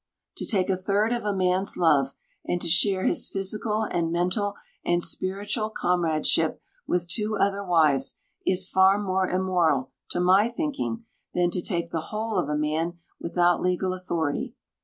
To take a third of a man's love, and to share his physical and mental and spiritual comradeship with two other wives, is far more immoral, to my thinking, than to take the whole of a man without legal authority.